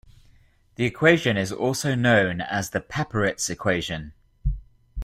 The equation is also known as the Papperitz equation.